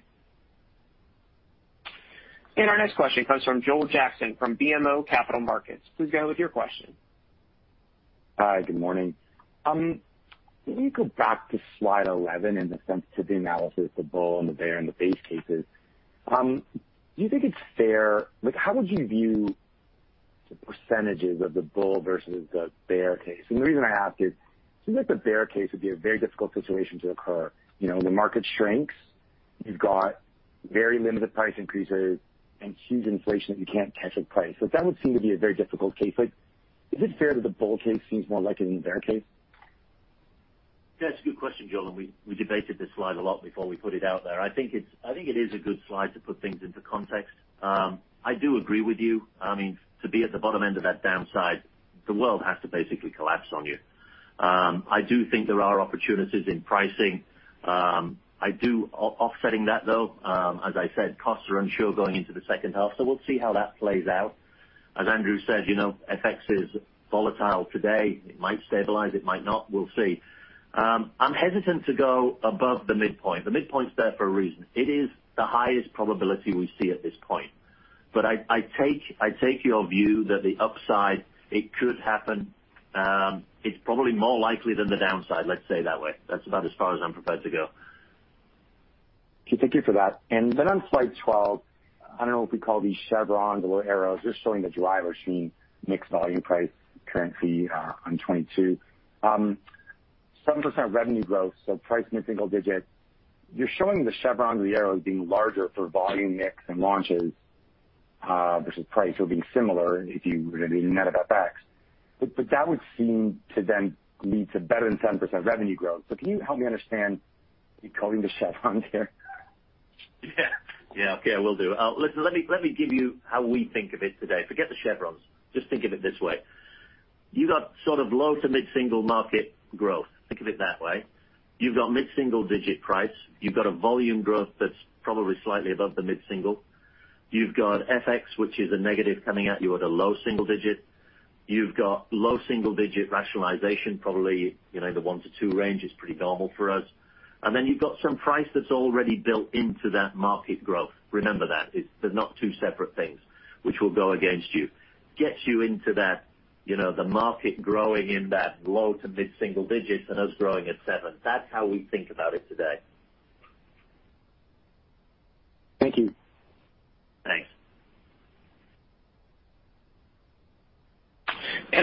Our next question comes from Joel Jackson from BMO Capital Markets. Please go with your question. Hi, good morning. Can you go back to slide 11 in the sensitivity analysis, the bull and the bear and the base cases? Do you think it's fair? Like, how would you view the percentages of the bull versus the bear case? The reason I ask is, seems like the bear case would be a very difficult situation to occur. You know, when the market shrinks, you've got very limited price increases and huge inflation that you can't catch at price. That would seem to be a very difficult case. Like, is it fair that the bull case seems more likely than the bear case? It's a good question, Joel, and we debated this slide a lot before we put it out there. I think it is a good slide to put things into context. I do agree with you. I mean, to be at the bottom end of that downside, the world has to basically collapse on you. I do think there are opportunities in pricing. Offsetting that though, as I said, costs are unsure going into the second half, so we'll see how that plays out. As Andrew said, you know, FX is volatile today. It might stabilize, it might not, we'll see. I'm hesitant to go above the midpoint. The midpoint's there for a reason. It is the highest probability we see at this point. I take your view that the upside, it could happen. It's probably more likely than the downside, let's say that way. That's about as far as I'm prepared to go. Okay. Thank you for that. Then on slide 12, I don't know if we call these chevrons or little arrows, just showing the drivers between mix volume price currency, on 22. 7% revenue growth, so price in the single digits. You're showing the chevrons or the arrows being larger for volume mix and launches, versus price sort of being similar if you were to do net of FX. But that would seem to then lead to better than 10% revenue growth. So can you help me understand, are you calling the chevrons there? Yeah, okay, I will do. Listen, let me give you how we think of it today. Forget the chevrons. Just think of it this way. You've got sort of low- to mid-single-digit market growth. Think of it that way. You've got mid-single-digit price. You've got a volume growth that's probably slightly above the mid-single-digit. You've got FX, which is a negative coming at you at a low-single-digit. You've got low-single-digit rationalization, probably, you know, the 1%-2% range is pretty normal for us. You've got some price that's already built into that market growth. Remember that. It's, they're not two separate things which will go against you. That gets you into that, you know, the market growing in that low- to mid-single-digit and us growing at 7%. That's how we think about it today. Thank you. Thanks.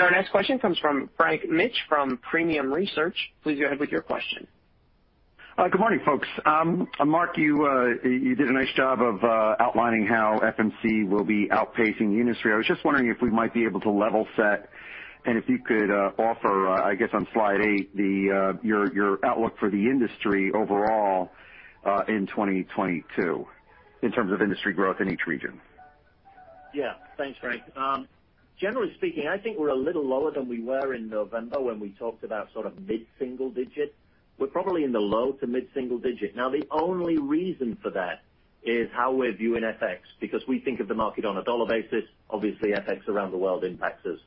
Our next question comes from Frank Mitsch from Fermium Research. Please go ahead with your question. Good morning, folks. Mark, you did a nice job of outlining how FMC will be outpacing the industry. I was just wondering if we might be able to level set and if you could offer, I guess on slide eight, your outlook for the industry overall in 2022 in terms of industry growth in each region. Yeah. Thanks, Frank. Generally speaking, I think we're a little lower than we were in November when we talked about sort of mid-single digit. We're probably in the low- to mid-single-digit. Now, the only reason for that is how we're viewing FX, because we think of the market on a dollar basis, obviously, FX around the world impacts us.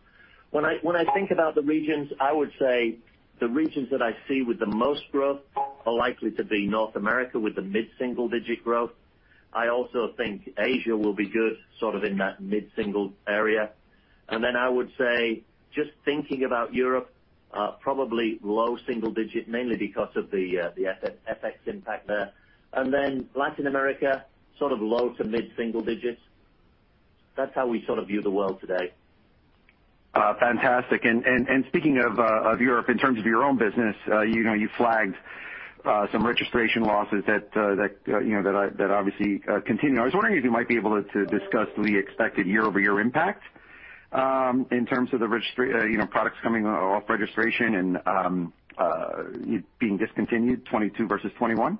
When I think about the regions, I would say the regions that I see with the most growth are likely to be North America with the mid-single-digit growth. I also think Asia will be good, sort of in that mid-single area. I would say, just thinking about Europe, probably low single digit, mainly because of the FX impact there. Latin America, sort of low- to mid-single-digits. That's how we sort of view the world today. Fantastic. Speaking of Europe in terms of your own business, you know, you flagged some registration losses that obviously continue. I was wondering if you might be able to discuss the expected year-over-year impact in terms of registration, you know, products coming off registration and being discontinued, 2022 versus 2021.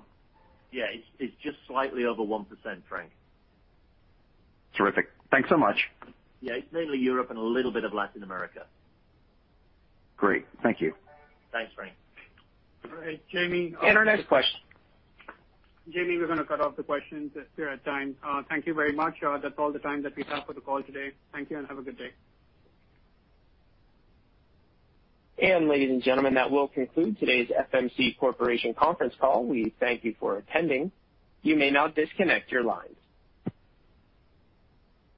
Yeah. It's just slightly over 1%, Frank. Terrific. Thanks so much. Yeah. It's mainly Europe and a little bit of Latin America. Great. Thank you. Thanks, Frank. All right. Jamie, Our next question. Jamie, we're gonna cut off the questions. We're at time. Thank you very much. That's all the time that we have for the call today. Thank you, and have a good day. Ladies and gentlemen, that will conclude today's FMC Corporation conference call. We thank you for attending. You may now disconnect your lines.